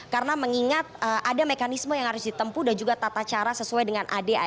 karena mengingat ada mekanisme yang harus ditempu dan juga tata cara sesuai dengan ad